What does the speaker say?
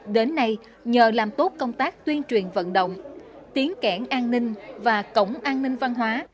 đến nay nhờ làm tốt công tác tuyên truyền vận động tiến cảnh an ninh và cổng an ninh văn hóa